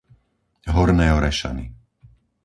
Horné Orešany